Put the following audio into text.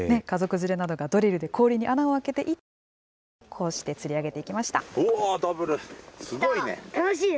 家族連れなどがドリルで氷に穴を開けて、糸を垂らして、こうして釣り上げていきました。